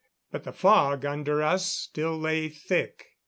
But the fog under us still lay thick.